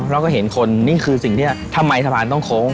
เราก็เห็นคนนี่คือสิ่งที่ทำไมสะพานต้องโค้ง